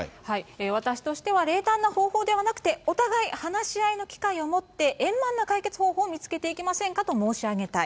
私としては冷淡な方法ではなくて、お互い話し合いの機会を持って、円満な解決方法を見つけていきませんかと申し上げたい。